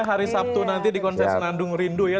hari sabtu nanti di konser senandung rindu ya